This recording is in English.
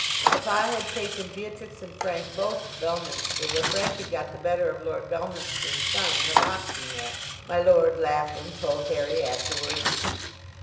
Papa had taken Beatrix and Frank both to Bellminster, where Frank had got the better of Lord Bellminster's son in a boxing match my lord, laughing, told Harry afterwards.